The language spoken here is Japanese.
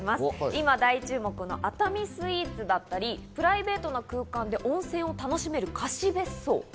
今大注目の熱海スイーツだったり、プライベートな空間で温泉を楽しめる貸別荘。